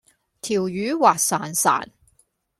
條魚滑潺潺